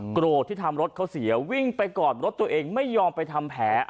โกรธที่ทำรถเขาเสียวิ่งไปกอดรถตัวเองไม่ยอมไปทำแผล